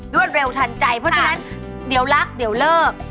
เร็วทันใจเพราะฉะนั้นเดี๋ยวรักเดี๋ยวเลิก